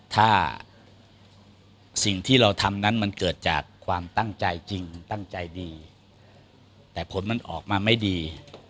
ถ้าสิ่งที่เราทำนั้นมันเกิดจากความตั้งใจจริงตั้งใจดีแต่ผลมันออกมาไม่ดี